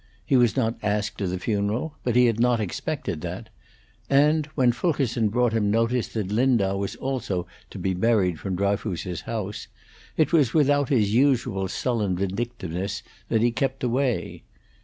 He was not asked to the funeral, but he had not expected that, and, when Fulkerson brought him notice that Lindau was also to be buried from Dryfoos's house, it was without his usual sullen vindictiveness that he kept away.